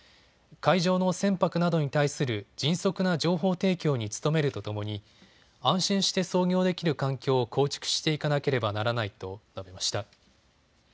海上の船舶などに対する迅速な情報提供に努めるとともに安心して操業できる環境を構築していかなければならないと述べました。